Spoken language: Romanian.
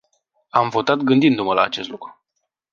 Am votat gândindu-mă la acest lucru.